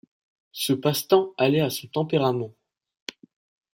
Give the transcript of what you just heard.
Ce passe-temps allait à son tempérament.